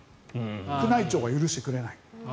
宮内庁が許してくれない。